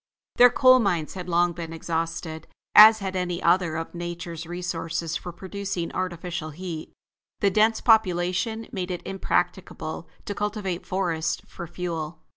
Their coal mines had long been exhausted, as had many other of nature's resources for producing artificial heat. The dense population made it impracticable to cultivate forests for fuel.